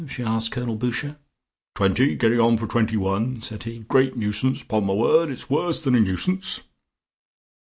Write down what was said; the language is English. she asked Colonel Boucher. "Twenty; getting on for twenty one," said he. "Great nuisance; 'pon my word it's worse than a nuisance."